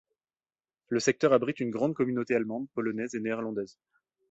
Le secteur abrite une grande communauté allemande, polonaise et néerlandaise.